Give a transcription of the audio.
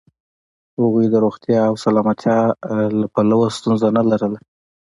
هغوی د روغتیا او سلامتیا له پلوه ستونزه نه لرله.